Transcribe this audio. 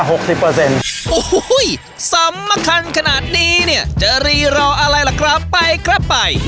อุ้ยทุกคนสัมมคันขนาดนี้จะรีรออะไรล่ะครับไป